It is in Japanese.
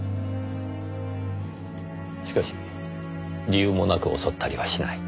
しかし理由もなく襲ったりはしない。